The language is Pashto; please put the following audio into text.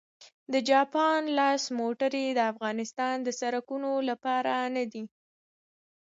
د جاپان لاس موټرې د افغانستان د سړکونو لپاره نه دي